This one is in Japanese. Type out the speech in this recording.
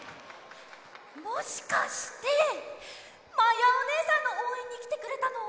もしかしてまやおねえさんのおうえんにきてくれたの？